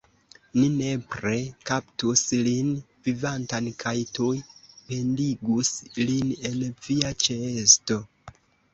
Ni nepre kaptus lin vivantan kaj tuj pendigus lin en via ĉeesto!